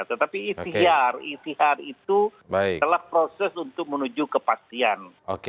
tetapi istihar istihar itu telah proses untuk menuju kepastian